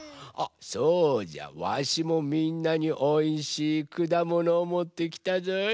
わしもみんなにおいしいくだものをもってきたぞい。